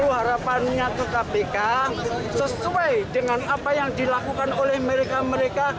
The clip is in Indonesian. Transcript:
harapannya ke kpk sesuai dengan apa yang dilakukan oleh mereka mereka